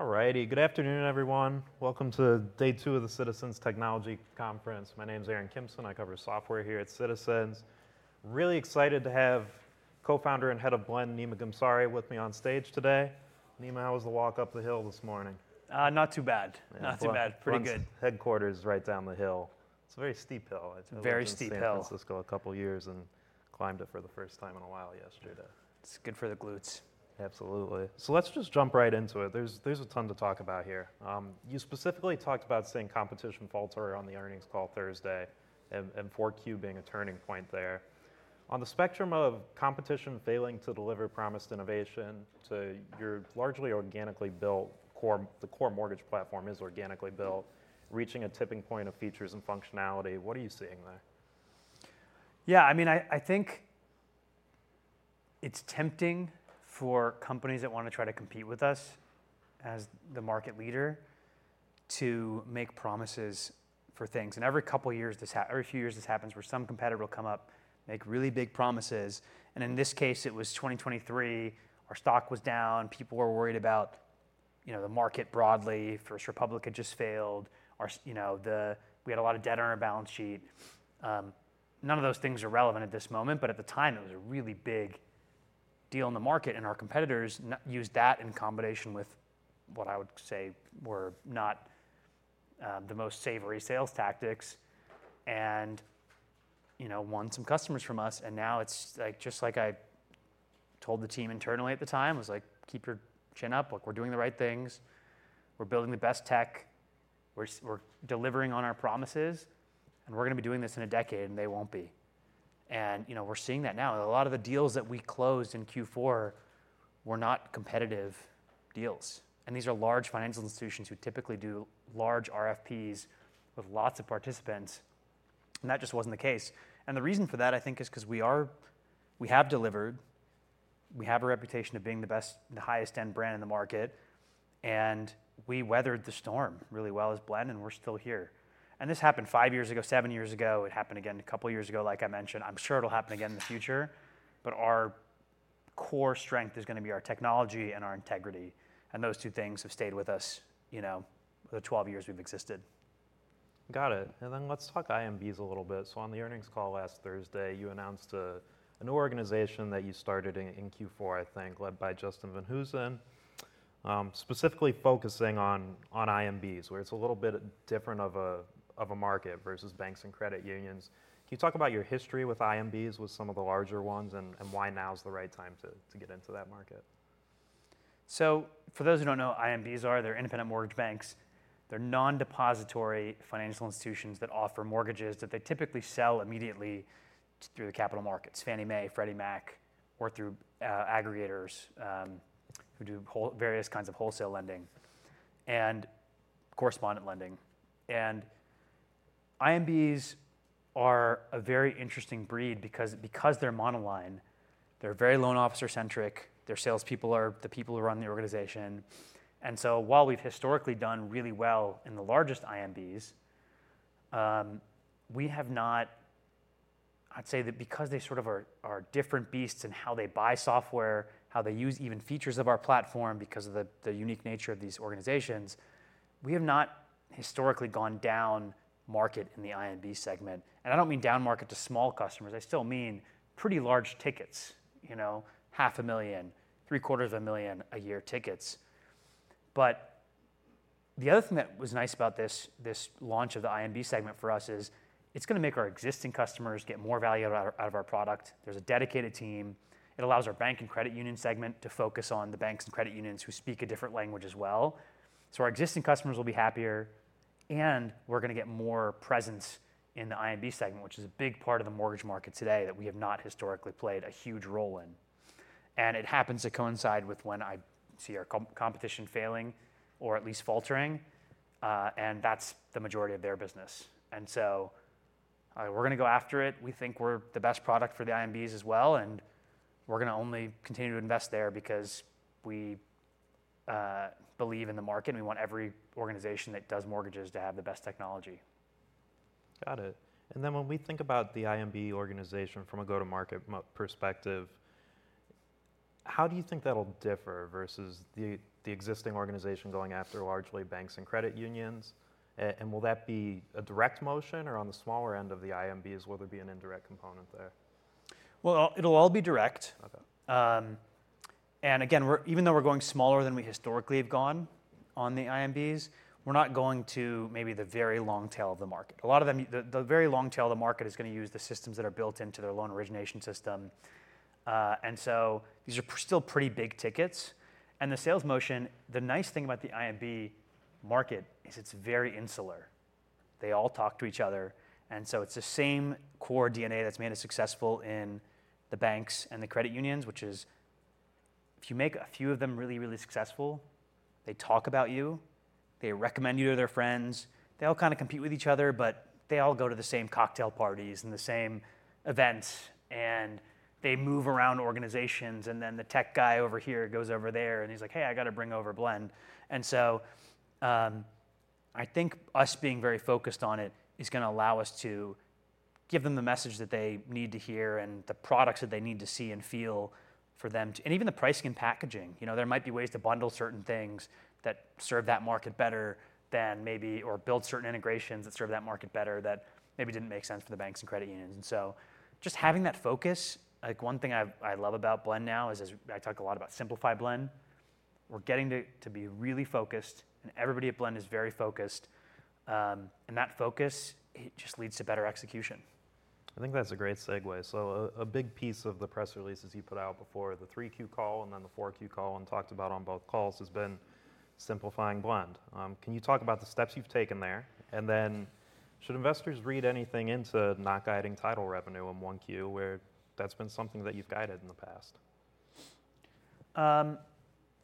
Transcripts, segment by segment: All righty. Good afternoon, everyone. Welcome to day two of the Citizens Technology Conference. My name is Aaron Kimson. I cover software here at Citizens. Really excited to have co-founder and head of Blend, Nima Ghamsari, with me on stage today. Nima, how was the walk up the hill this morning? Not too bad. Not too bad. Pretty good. Headquarters right down the hill. It's a very steep hill. Very steep hill. I've been in San Francisco a couple of years and climbed it for the first time in a while yesterday. It's good for the glutes. Absolutely. Let's just jump right into it. There's a ton to talk about here. You specifically talked about seeing competition falter on the earnings call Thursday and 4Q being a turning point there. On the spectrum of competition failing to deliver promised innovation to your largely organically built core, the core mortgage platform is organically built, reaching a tipping point of features and functionality, what are you seeing there? Yeah. I mean, I think it's tempting for companies that want to try to compete with us as the market leader to make promises for things. Every couple of years this happens where some competitor will come up, make really big promises. In this case, it was 2023. Our stock was down. People were worried about the market broadly. First Republic had just failed. We had a lot of debt on our balance sheet. None of those things are relevant at this moment. At the time, it was a really big deal in the market. Our competitors used that in combination with what I would say were not the most savory sales tactics and won some customers from us. Now it's just like I told the team internally at the time, I was like, keep your chin up. Look, we're doing the right things. We're building the best tech. We're delivering on our promises. We're going to be doing this in a decade. They won't be. We're seeing that now. A lot of the deals that we closed in Q4 were not competitive deals. These are large financial institutions who typically do large RFPs with lots of participants. That just wasn't the case. The reason for that, I think, is because we have delivered. We have a reputation of being the best, the highest-end brand in the market. We weathered the storm really well as Blend. We're still here. This happened five years ago, seven years ago. It happened again a couple of years ago, like I mentioned. I'm sure it'll happen again in the future. Our core strength is going to be our technology and our integrity. Those two things have stayed with us the 12 years we've existed. Got it. Let's talk IMBs a little bit. On the earnings call last Thursday, you announced a new organization that you started in Q4, I think, led by Justin Van Hoosen, specifically focusing on IMBs, where it's a little bit different of a market versus banks and credit unions. Can you talk about your history with IMBs, with some of the larger ones, and why now is the right time to get into that market? For those who don't know what IMBs are, they're independent mortgage banks. They're non-depository financial institutions that offer mortgages that they typically sell immediately through the capital markets, Fannie Mae, Freddie Mac, or through aggregators who do various kinds of wholesale lending and correspondent lending. IMBs are a very interesting breed because they're monoline. They're very loan officer-centric. Their salespeople are the people who run the organization. While we've historically done really well in the largest IMBs, I would say that because they sort of are different beasts in how they buy software, how they use even features of our platform because of the unique nature of these organizations, we have not historically gone down market in the IMB segment. I don't mean down market to small customers. I still mean pretty large tickets, $500,000, $750,000 a year tickets. The other thing that was nice about this launch of the IMB segment for us is it's going to make our existing customers get more value out of our product. There's a dedicated team. It allows our bank and credit union segment to focus on the banks and credit unions who speak a different language as well. Our existing customers will be happier. We're going to get more presence in the IMB segment, which is a big part of the mortgage market today that we have not historically played a huge role in. It happens to coincide with when I see our competition failing or at least faltering. That's the majority of their business. We're going to go after it. We think we're the best product for the IMBs as well. We are going to only continue to invest there because we believe in the market. We want every organization that does mortgages to have the best technology. Got it. When we think about the IMB organization from a go-to-market perspective, how do you think that'll differ versus the existing organization going after largely banks and credit unions? Will that be a direct motion? On the smaller end of the IMBs, will there be an indirect component there? It'll all be direct, and again, even though we're going smaller than we historically have gone on the IMBs, we're not going to maybe the very long tail of the market. A lot of them, the very long tail of the market is going to use the systems that are built into their loan origination system. These are still pretty big tickets. The sales motion, the nice thing about the IMB market is it's very insular. They all talk to each other. It's the same core DNA that's made us successful in the banks and the credit unions, which is if you make a few of them really, really successful, they talk about you. They recommend you to their friends. They all kind of compete with each other. They all go to the same cocktail parties and the same events. They move around organizations. The tech guy over here goes over there. He's like, hey, I got to bring over Blend. I think us being very focused on it is going to allow us to give them the message that they need to hear and the products that they need to see and feel for them. ' Even the pricing and packaging, there might be ways to bundle certain things that serve that market better or build certain integrations that serve that market better that maybe did not make sense for the banks and credit unions. Just having that focus, one thing I love about Blend now is I talk a lot about Simplify Blend. We're getting to be really focused. Everybody at Blend is very focused. That focus just leads to better execution. I think that's a great segue. A big piece of the press releases you put out before, the 3Q call and then the 4Q call and talked about on both calls, has been simplifying Blend. Can you talk about the steps you've taken there? Should investors read anything into not guiding title revenue in 1Q, where that's been something that you've guided in the past?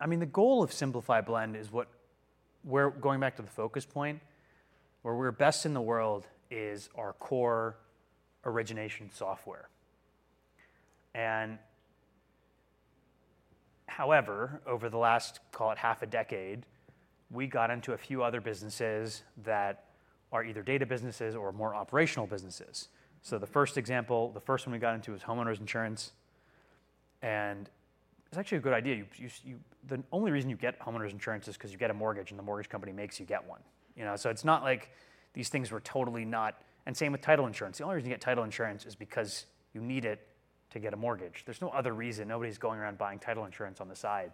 I mean, the goal of Simplify Blend is what we're going back to, the focus point. Where we're best in the world is our core origination software. However, over the last, call it, half a decade, we got into a few other businesses that are either data businesses or more operational businesses. The first example, the first one we got into was homeowners insurance. It's actually a good idea. The only reason you get homeowners insurance is because you get a mortgage, and the mortgage company makes you get one. It's not like these things were totally not. Same with title insurance. The only reason you get title insurance is because you need it to get a mortgage. There's no other reason. Nobody's going around buying title insurance on the side.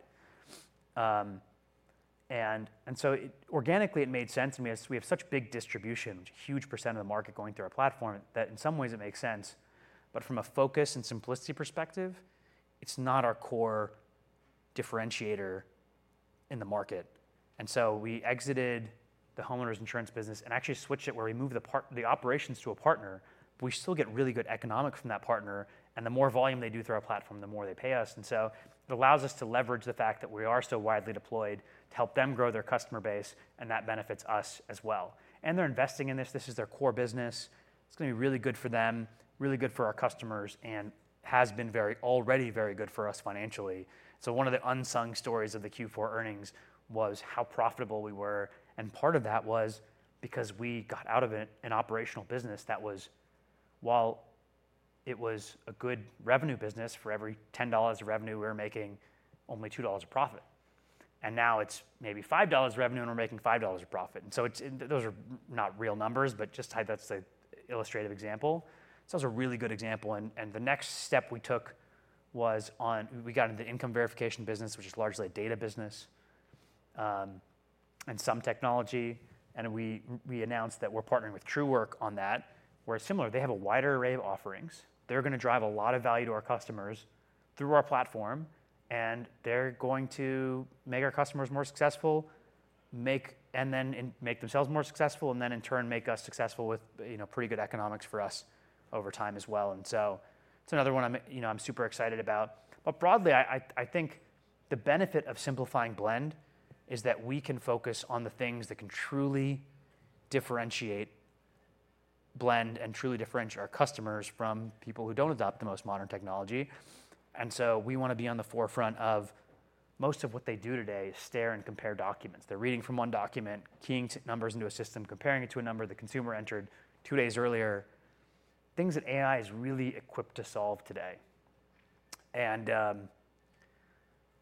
Organically, it made sense to me. We have such big distribution, huge percent of the market going through our platform that in some ways it makes sense. From a focus and simplicity perspective, it's not our core differentiator in the market. We exited the homeowners insurance business and actually switched it where we moved the operations to a partner. We still get really good economics from that partner. The more volume they do through our platform, the more they pay us. It allows us to leverage the fact that we are so widely deployed to help them grow their customer base. That benefits us as well. They're investing in this. This is their core business. It's going to be really good for them, really good for our customers, and has been already very good for us financially. One of the unsung stories of the Q4 earnings was how profitable we were. Part of that was because we got out of an operational business that was, while it was a good revenue business, for every $10 of revenue we were making, only $2 of profit. Now it's maybe $5 of revenue, and we're making $5 of profit. Those are not real numbers, but just that's an illustrative example. That was a really good example. The next step we took was we got into the income verification business, which is largely a data business and some technology. We announced that we're partnering with Truework on that, whereas similar, they have a wider array of offerings. They're going to drive a lot of value to our customers through our platform. They are going to make our customers more successful, and then make themselves more successful, and then in turn make us successful with pretty good economics for us over time as well. It is another one I am super excited about. Broadly, I think the benefit of simplifying Blend is that we can focus on the things that can truly differentiate Blend and truly differentiate our customers from people who do not adopt the most modern technology. We want to be on the forefront of most of what they do today, which is stare and compare documents. They are reading from one document, keying numbers into a system, comparing it to a number the consumer entered two days earlier, things that AI is really equipped to solve today.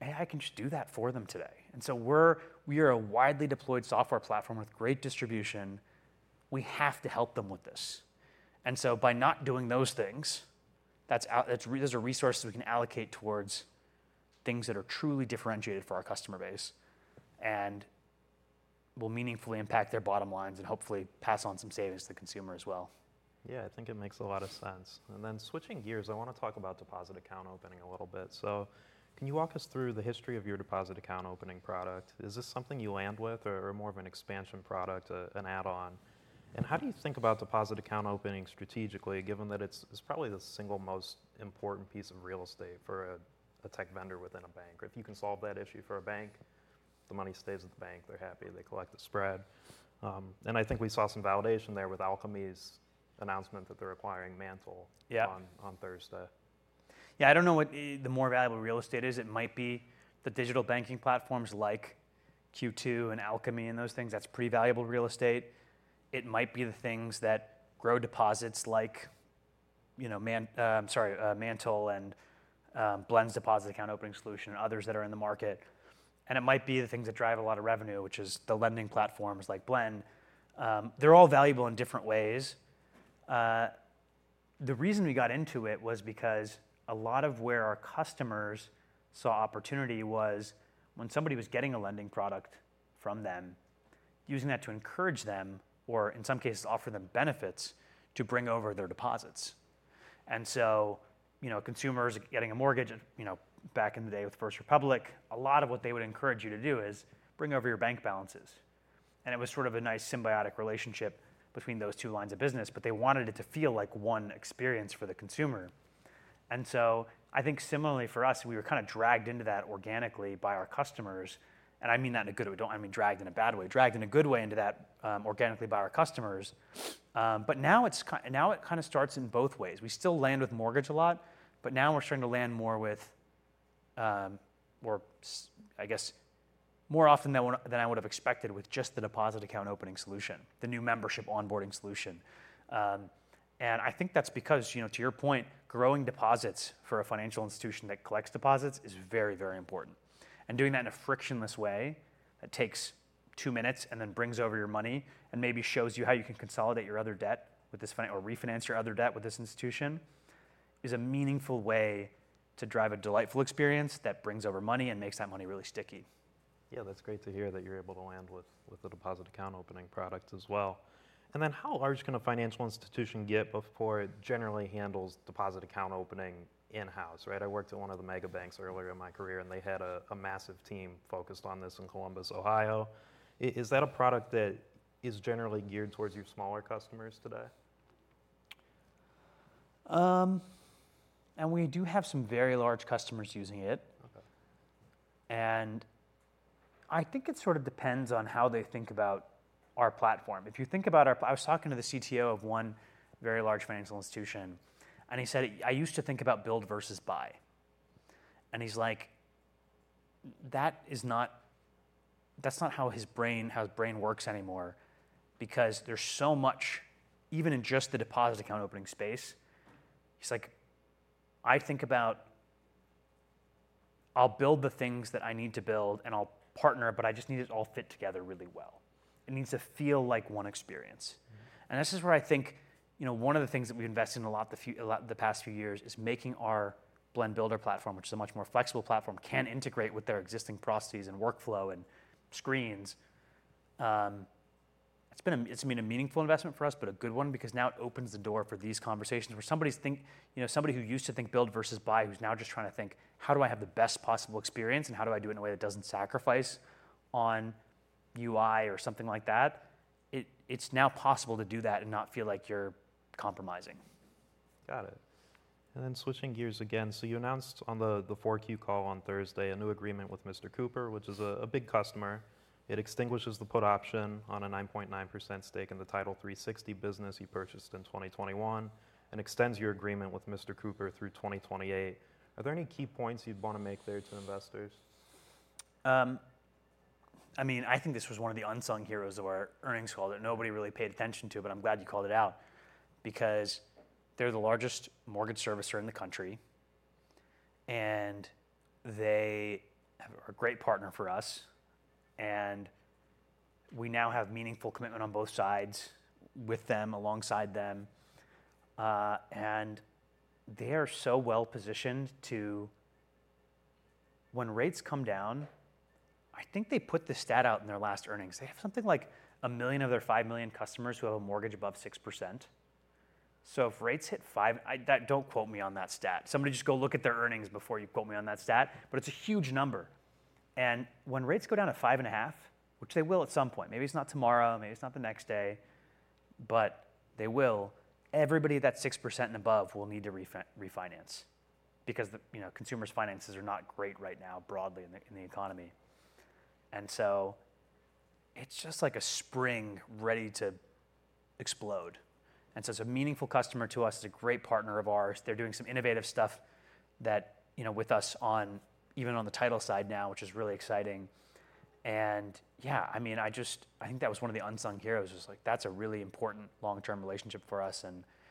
AI can just do that for them today. We are a widely deployed software platform with great distribution. We have to help them with this. By not doing those things, there's a resource we can allocate towards things that are truly differentiated for our customer base and will meaningfully impact their bottom lines and hopefully pass on some savings to the consumer as well. Yeah. I think it makes a lot of sense. Switching gears, I want to talk about deposit account opening a little bit. Can you walk us through the history of your deposit account opening product? Is this something you land with or more of an expansion product, an add-on? How do you think about deposit account opening strategically, given that it's probably the single most important piece of real estate for a tech vendor within a bank? If you can solve that issue for a bank, the money stays at the bank. They're happy. They collect the spread. I think we saw some validation there with Alkami's announcement that they're acquiring MANTL on Thursday. Yeah. I don't know what the more valuable real estate is. It might be the digital banking platforms like Q2 and Alkami and those things. That's pretty valuable real estate. It might be the things that grow deposits like MANTL and Blend's deposit account opening solution and others that are in the market. It might be the things that drive a lot of revenue, which is the lending platforms like Blend. They're all valuable in different ways. The reason we got into it was because a lot of where our customers saw opportunity was when somebody was getting a lending product from them, using that to encourage them or, in some cases, offer them benefits to bring over their deposits. Consumers getting a mortgage back in the day with First Republic, a lot of what they would encourage you to do is bring over your bank balances. It was sort of a nice symbiotic relationship between those two lines of business. They wanted it to feel like one experience for the consumer. I think similarly for us, we were kind of dragged into that organically by our customers. I mean that in a good way. I do not mean dragged in a bad way. Dragged in a good way into that organically by our customers. Now it kind of starts in both ways. We still land with mortgage a lot. Now we are starting to land more with, I guess, more often than I would have expected with just the deposit account opening solution, the new membership onboarding solution. I think that is because, to your point, growing deposits for a financial institution that collects deposits is very, very important. Doing that in a frictionless way that takes two minutes and then brings over your money and maybe shows you how you can consolidate your other debt with this or refinance your other debt with this institution is a meaningful way to drive a delightful experience that brings over money and makes that money really sticky. Yeah. That's great to hear that you're able to land with the deposit account opening solution as well, and then how large can a financial institution get before it generally handles deposit account opening in-house? I worked at one of the mega banks earlier in my career. And they had a massive team focused on this in Columbus, Ohio. Is that a product that is generally geared towards your smaller customers today? We do have some very large customers using it. I think it sort of depends on how they think about our platform. If you think about our, I was talking to the CTO of one very large financial institution. He said, I used to think about build versus buy. He's like, that's not how his brain works anymore because there's so much, even in just the deposit account opening space. He's like, I think about I'll build the things that I need to build. I'll partner. I just need it all to fit together really well. It needs to feel like one experience. One of the things that we've invested in a lot the past few years is making our Blend Builder platform, which is a much more flexible platform, can integrate with their existing processes and workflow and screens. It's been a meaningful investment for us, but a good one because now it opens the door for these conversations where somebody who used to think build versus buy who's now just trying to think, how do I have the best possible experience? And how do I do it in a way that doesn't sacrifice on UI or something like that? It's now possible to do that and not feel like you're compromising. Got it. Switching gears again. You announced on the Q4 call on Thursday a new agreement with Mr. Cooper, which is a big customer. It extinguishes the put option on a 9.9% stake in the Title365 business he purchased in 2021 and extends your agreement with Mr. Cooper through 2028. Are there any key points you'd want to make there to investors? I mean, I think this was one of the unsung heroes of our earnings call that nobody really paid attention to. I am glad you called it out because they are the largest mortgage servicer in the country. They are a great partner for us. We now have meaningful commitment on both sides with them, alongside them. They are so well positioned to when rates come down, I think they put the stat out in their last earnings. They have something like a million of their 5 million customers who have a mortgage above 6%. If rates hit 5%, do not quote me on that stat. Somebody just go look at their earnings before you quote me on that stat. It is a huge number. When rates go down to five and a half, which they will at some point, maybe it is not tomorrow. Maybe it's not the next day. They will. Everybody that's 6% and above will need to refinance because consumers' finances are not great right now broadly in the economy. It's just like a spring ready to explode. It's a meaningful customer to us. It's a great partner of ours. They're doing some innovative stuff with us even on the title side now, which is really exciting. Yeah, I mean, I think that was one of the unsung heroes. It was like, that's a really important long-term relationship for us.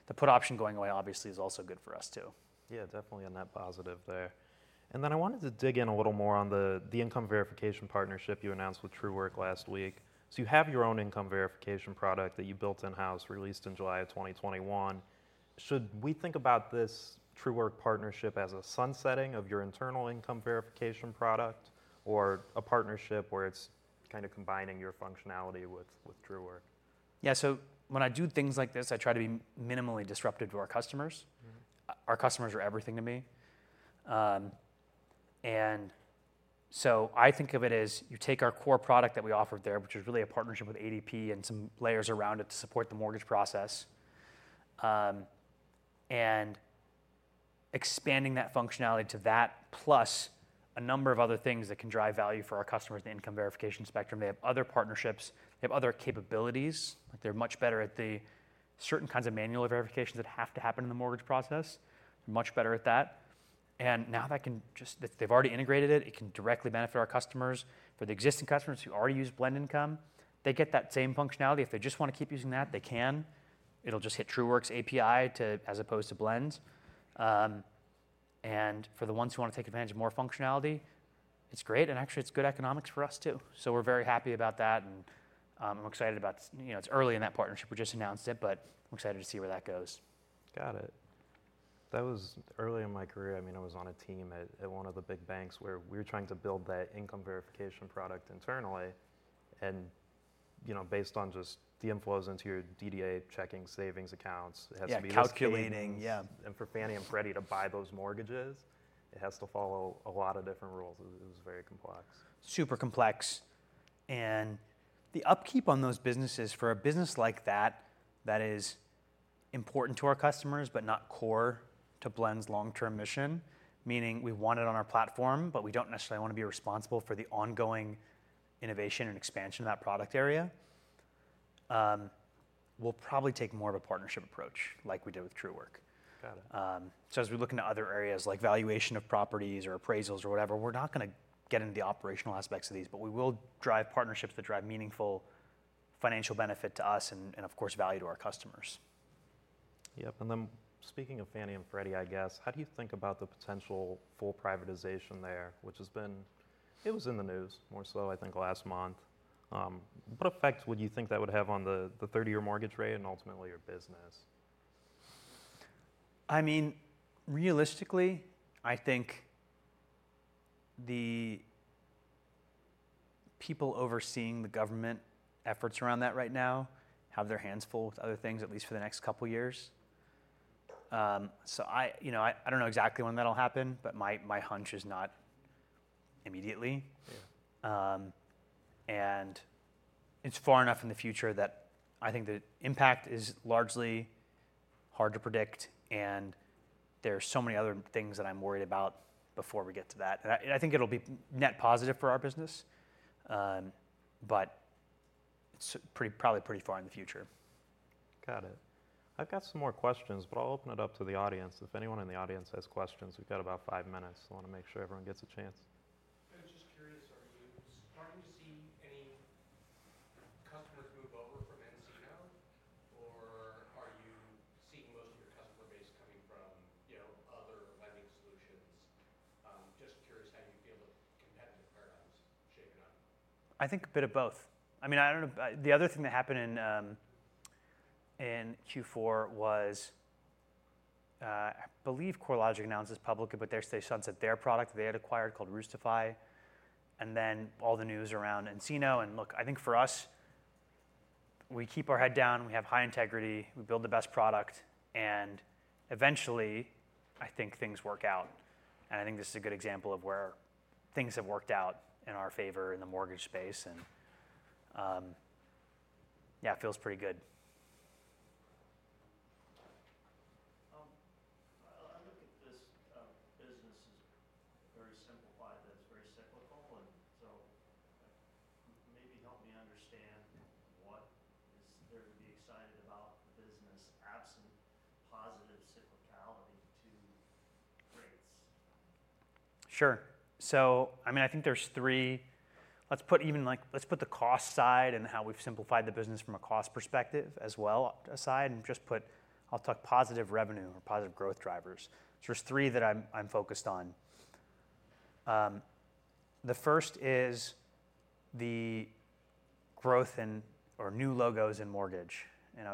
The put option going away, obviously, is also good for us too. Yeah. Definitely on that positive there. I wanted to dig in a little more on the income verification partnership you announced with Truework last week. You have your own income verification product that you built in-house, released in July of 2021. Should we think about this Truework partnership as a sunsetting of your internal income verification product or a partnership where it's kind of combining your functionality with Truework? Yeah. When I do things like this, I try to be minimally disruptive to our customers. Our customers are everything to me. I think of it as you take our core product that we offered there, which is really a partnership with ADP and some layers around it to support the mortgage process, and expanding that functionality to that plus a number of other things that can drive value for our customers in the income verification spectrum. They have other partnerships. They have other capabilities. They're much better at the certain kinds of manual verifications that have to happen in the mortgage process. They're much better at that. Now they've already integrated it. It can directly benefit our customers. For the existing customers who already use Blend Income, they get that same functionality. If they just want to keep using that, they can. It'll just hit Truework's API as opposed to Blend. For the ones who want to take advantage of more functionality, it's great. Actually, it's good economics for us too. We are very happy about that. I'm excited about it; it's early in that partnership. We just announced it. I'm excited to see where that goes. Got it. That was early in my career. I mean, I was on a team at one of the big banks where we were trying to build that income verification product internally, and based on just the inflows into your DDA checking savings accounts, it has to be able to. Yeah. Calculating. Yeah. For Fannie and Freddie to buy those mortgages, it has to follow a lot of different rules. It was very complex. Super complex. The upkeep on those businesses for a business like that that is important to our customers but not core to Blend's long-term mission, meaning we want it on our platform, but we don't necessarily want to be responsible for the ongoing innovation and expansion of that product area, we'll probably take more of a partnership approach like we did with Truework. Got it. As we look into other areas like valuation of properties or appraisals or whatever, we're not going to get into the operational aspects of these. We will drive partnerships that drive meaningful financial benefit to us and, of course, value to our customers. Yep. Speaking of Fannie and Freddie, I guess, how do you think about the potential full privatization there, which has been it was in the news more so, I think, last month? What effect would you think that would have on the 30-year mortgage rate and ultimately your business? I mean, realistically, I think the people overseeing the government efforts around that right now have their hands full with other things, at least for the next couple of years. I don't know exactly when that'll happen. My hunch is not immediately. It is far enough in the future that I think the impact is largely hard to predict. There are so many other things that I'm worried about before we get to that. I think it'll be net positive for our business. It is probably pretty far in the future. Got it. I've got some more questions. I will open it up to the audience. If anyone in the audience has questions, we've got about five minutes. I want to make sure everyone gets a chance. I'm just curious. Are you starting to see any customers move over from nCino? Or are you seeing most of your customer base coming from other lending solutions? Just curious how you feel the competitive paradigm's shaping up. I think a bit of both. I mean, the other thing that happened in Q4 was I believe CoreLogic announced this publicly. They sunset their product they had acquired called Roostify. Then all the news around nCino, look, I think for us, we keep our head down. We have high integrity. We build the best product. Eventually, I think things work out. I think this is a good example of where things have worked out in our favor in the mortgage space. Yeah, it feels pretty good. I look at this business as very simplified that it's very cyclical. Maybe help me understand what is there to be excited about the business absent positive cyclicality to rates. Sure. I mean, I think there are three. Let's put the cost side and how we've simplified the business from a cost perspective as well aside. I'll talk positive revenue or positive growth drivers. There are three that I'm focused on. The first is the growth in or new logos in mortgage.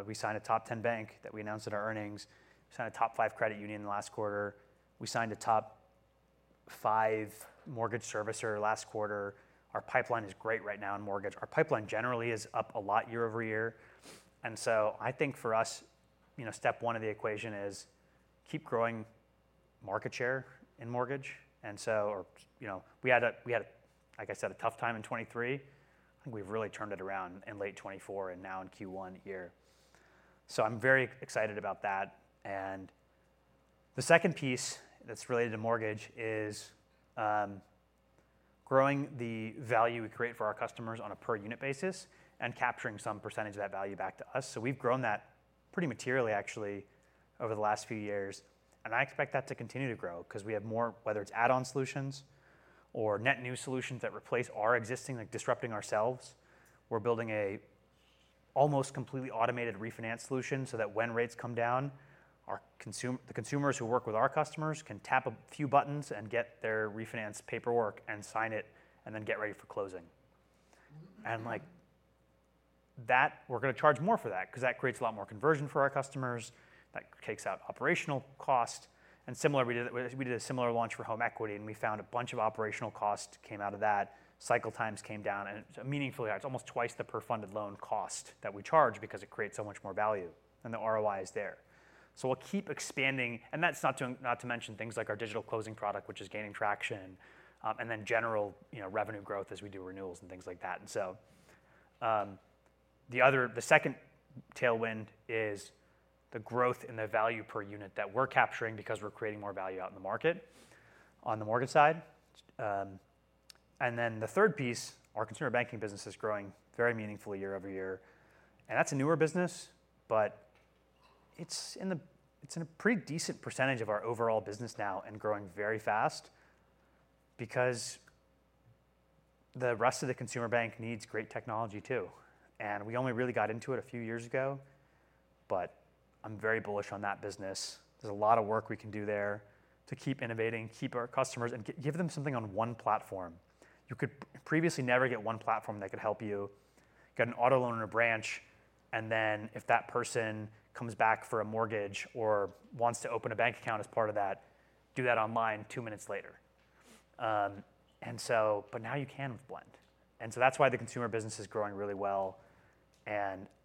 We signed a top 10 bank that we announced in our earnings. We signed a top 5 credit union in the last quarter. We signed a top 5 mortgage servicer last quarter. Our pipeline is great right now in mortgage. Our pipeline generally is up a lot year over year. I think for us, step one of the equation is keep growing market share in mortgage. We had, like I said, a tough time in 2023. I think we've really turned it around in late 2024 and now in Q1 year. I am very excited about that. The second piece that's related to mortgage is growing the value we create for our customers on a per-unit basis and capturing some percentage of that value back to us. We've grown that pretty materially, actually, over the last few years. I expect that to continue to grow because we have more, whether it's add-on solutions or net new solutions that replace our existing, like disrupting ourselves. We're building an almost completely automated refinance solution so that when rates come down, the consumers who work with our customers can tap a few buttons and get their refinance paperwork and sign it and then get ready for closing. We're going to charge more for that because that creates a lot more conversion for our customers. That takes out operational cost. We did a similar launch for home equity. We found a bunch of operational cost came out of that. Cycle times came down. Meaningfully, it's almost twice the per-funded loan cost that we charge because it creates so much more value. The ROI is there. We'll keep expanding. That's not to mention things like our digital closing product, which is gaining traction, and then general revenue growth as we do renewals and things like that. The second tailwind is the growth in the value per unit that we're capturing because we're creating more value out in the market on the mortgage side. The third piece, our consumer banking business is growing very meaningfully year over year. That's a newer business. It is in a pretty decent percentage of our overall business now and growing very fast because the rest of the consumer bank needs great technology too. We only really got into it a few years ago. I am very bullish on that business. There is a lot of work we can do there to keep innovating, keep our customers, and give them something on one platform. You could previously never get one platform that could help you. You got an auto loan or branch. If that person comes back for a mortgage or wants to open a bank account as part of that, do that online two minutes later. Now you can with Blend. That is why the consumer business is growing really well.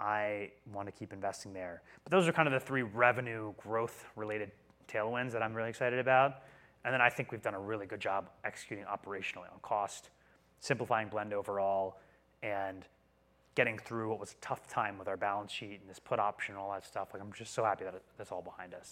I want to keep investing there. Those are kind of the three revenue growth-related tailwinds that I am really excited about. I think we've done a really good job executing operationally on cost, simplifying Blend overall, and getting through what was a tough time with our balance sheet and this put option and all that stuff. I'm just so happy that it's all behind us.